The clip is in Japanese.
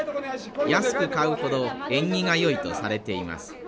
安く買うほど縁起がよいとされています。